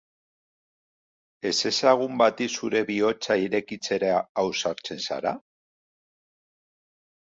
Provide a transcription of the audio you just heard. Ezezagun bati zure bihotza irekitzera ausartzen zara?